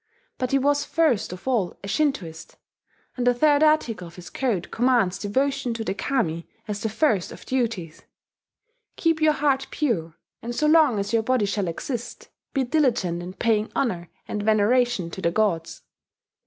But he was first of all a Shintoist; and the third article of his code commands devotion to the Kami as the first of duties: "Keep your heart pure; and so long as your body shall exist, be diligent in paying honour and veneration to the Gods."